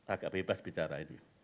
agak bebas bicara